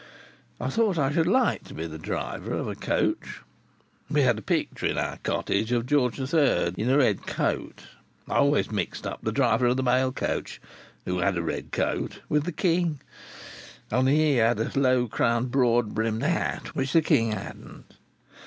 I thought I should like to be the driver of a coach. We had a picture in our cottage of George the Third in a red coat. I always mixed up the driver of the mail coach—who had a red coat, too—with the king, only he had a low crowned broad brimmed hat, which the king hadn't.